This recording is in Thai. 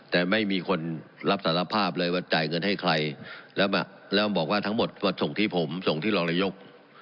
แต่ไม่มีคนรับสารภาพเลยว่าจ่ายเงินให้ใครแล้วบอกว่าทั้งหมดว่าส่งที่ผมส่งที่รองนายก